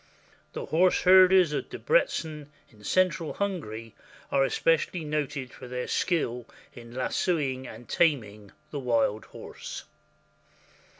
The horse herders of Debreczen, in central Hungary, are especially noted for their skill in lassoing and taming the wild horse.